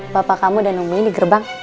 bapak kamu udah nungguin di gerbang